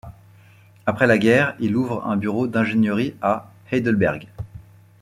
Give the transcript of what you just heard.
Après la guerre il ouvre un bureau d'ingénierie à Heidelberg.